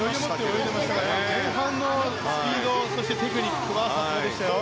抜いていましたが前半のスピードそしてテクニックはさすがでしたよ。